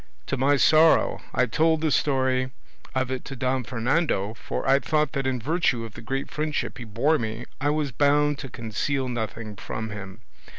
To my sorrow I told the story of it to Don Fernando, for I thought that in virtue of the great friendship he bore me I was bound to conceal nothing from him.